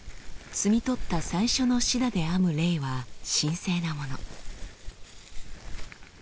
摘み取った最初のシダで編むレイは神聖なもの。